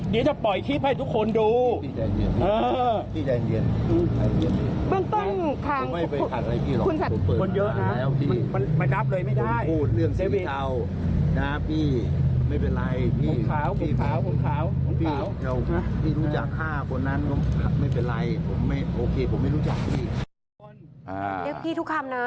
เดี๋ยวจะปล่อยคลิปให้ทุกคนดู